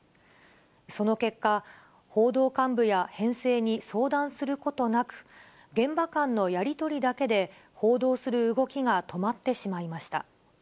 その結果、報道幹部や編成に相談することなく、現場間のやり取りだけで報道する動きが止まってしまいました。